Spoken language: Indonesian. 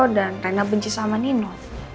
dan reina benci sama nino